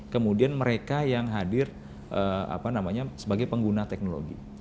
kemudian mereka yang hadir sebagai pengguna teknologi